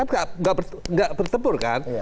kan nggak bertempur kan